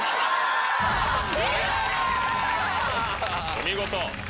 お見事。